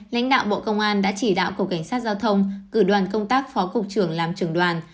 lãnh đạo bộ công an đã chỉ đạo cục cảnh sát giao thông cử đoàn công tác phó cục trưởng làm trưởng đoàn